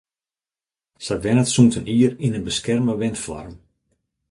Sy wennet sûnt in jier yn in beskerme wenfoarm.